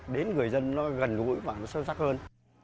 đến người dân nó gần gũi và nó sâu sắc hơn